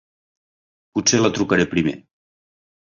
Potser la trucaré primer.